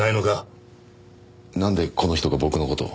なんでこの人が僕の事を？